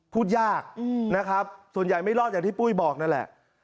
พูดยากนะครับส่วนใหญ่ไม่รอดอย่างที่ปุ้ยบอกนั่นแหละ